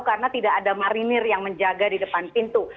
karena tidak ada marinir yang menjaga di depan pintu